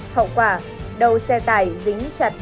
hậu quả đầu xe tải dính chặt